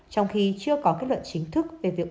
trong khi chưa có kết luận chính thức về việc